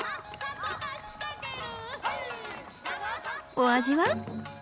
お味は？